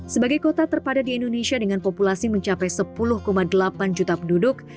sebagai kota terpadat di indonesia dengan populasi mencapai sepuluh delapan juta penduduk